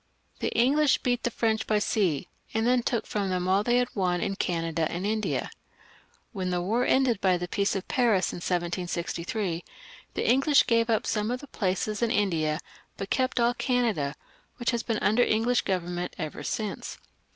The English beat the French by sea, and then took from them all they had won in Canada and in India. When the war ended by the Peace of Paris in 1763, the English gave up some of the places in India, but kept all Canada, which has been under English government ever since.